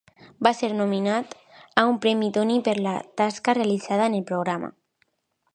Va ser nominat a un premi Tony per la tasca realitzada en el programa.